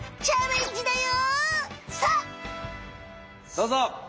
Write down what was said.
どうぞ！